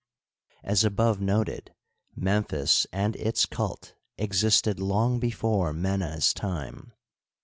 As above noted, Memphis and its cult existed long before Mena's time.